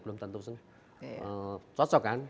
belum tentu cocok kan